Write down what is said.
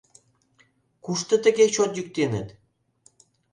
Кушто тыге чот йӱктеныт?